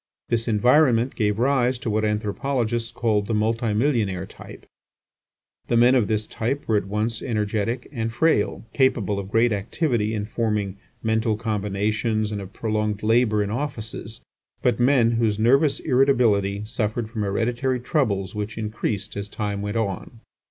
This environment gave rise to what anthropologists called the multi millionaire type. The men of this type were at once energetic and frail, capable of great activity in forming mental combinations and of prolonged labour in offices, but men whose nervous irritability suffered from hereditary troubles which increased as time went on.